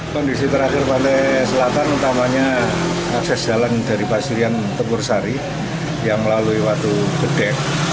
kondisi terakhir pantai selatan utamanya akses jalan dari pasurian tempur sari yang melalui watu gede